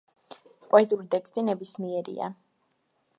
პოეტური ტექსტი ნებისმიერია.